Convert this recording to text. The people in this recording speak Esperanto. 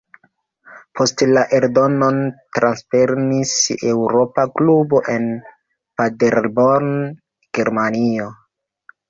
Poste la eldonon transprenis "Eŭropa Klubo" en Paderborn, Germanio.